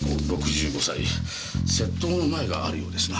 窃盗の前科があるようですな。